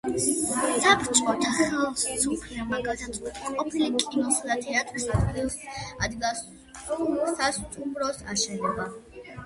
საბჭოთა ხელისუფლებამ გადაწყვიტა ყოფილი კინოსა და თეატრის ადგილას სასტუმროს აშენება.